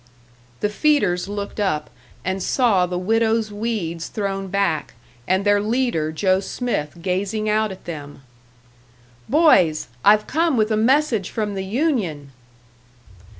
The feeders looked up, and saw the widow's weeds thrown back, and their leader, Joe Smith, gazing out at them. "Boys! I've come with a message from the union!"